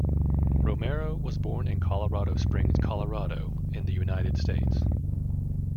Romero was born in Colorado Springs, Colorado in the United States.